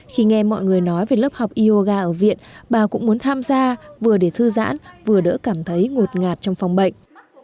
khi nghe mọi người nói về lớp học yoga ở viện bà cũng muốn tham gia vừa để thư giãn vừa đỡ cảm thấy ngột ngạt trong phòng bệnh